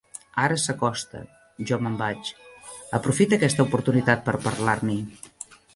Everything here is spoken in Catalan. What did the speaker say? Ara s'acosta. Jo me'n vaig. Aprofita aquesta oportunitat per parlar-n'hi.